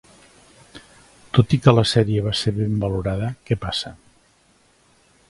Tot i que la sèrie va ser ben valorada, què passa!!